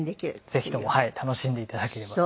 ぜひとも楽しんで頂ければと。